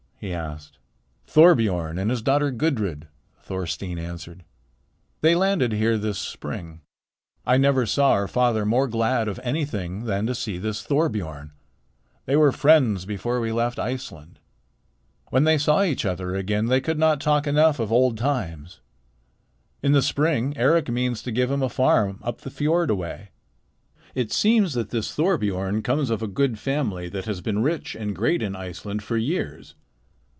he asked. "Thorbiorn and his daughter Gudrid," Thorstein answered. "They landed here this spring. I never saw our father more glad of anything than to see this Thorbiorn. They were friends before we left Iceland. When they saw each other again they could not talk enough of old times. In the spring Eric means to give him a farm up the fiord a way. It seems that this Thorbiorn comes of a good family that has been rich and great in Iceland for years.